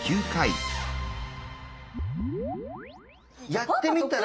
やってみたら。